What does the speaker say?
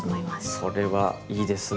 それはいいですね！